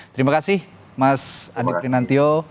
terima kasih mas adi prinantio